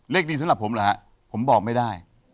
ดีสำหรับผมเหรอฮะผมบอกไม่ได้